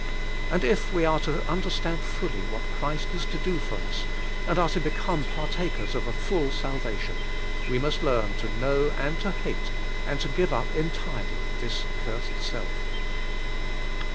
And if we are to understand fully what Christ is to do for us, and are to become partakers of a full salvation, we must learn to know, and to hate, and to give up entirely this cursed self.